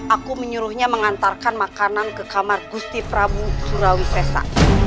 aku menyuruhnya mengantarkan makanan ke kamar gusti prabu surawipesa